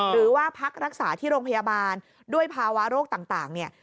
หรือว่าพักรักษาที่โรงพยาบาลด้วยภาวะโรคต่างเนี่ย